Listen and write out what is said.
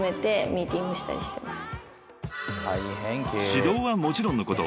［指導はもちろんのこと